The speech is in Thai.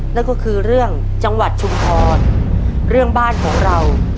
นั่นก็คือเรื่องจังหวัดชุมพรเรื่องบ้านของเรา